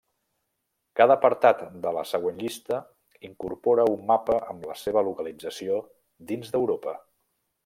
Cada apartat de la següent llista incorpora un mapa amb la seva localització dins d'Europa.